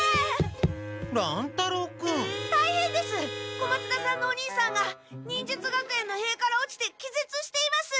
小松田さんのお兄さんが忍術学園のへいからおちてきぜつしています。